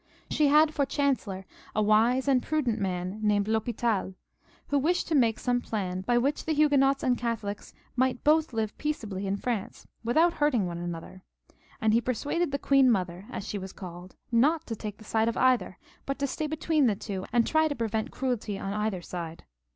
She had for chancellor a wise and prudent man named TH&pital, who wished to make some plan by which the Huguenots and Catholics might both live peaceably in France without hurting one another; and he persuaded the queen mother, as she was called, not to take the side of either, but to stay between the two, and try to prevent cruelty on either side.